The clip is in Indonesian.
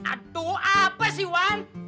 aduh apa sih wan